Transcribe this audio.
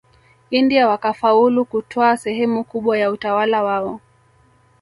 India wakafaulu kutwaa sehemu kubwa ya utawala wao